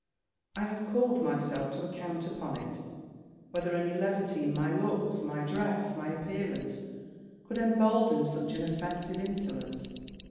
I have called myself to account upon it, whether any levity in my looks, my dress, my appearance, could embolden such an offensive insolence.